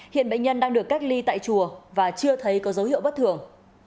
hiện bệnh nhân đang được cách ly tại chùa và chưa thấy có dấu hiệu bất thường